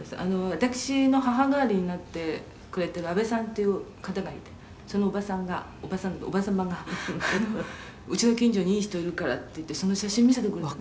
「私の母代わりになってくれてるアベさんっていう方がいてそのおばさんがおば様が“うちの近所にいい人いるから”って言ってその写真を見せてくれたんです」